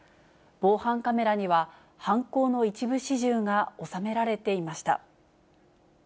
防犯カメラには犯行の一部始終が収められていました。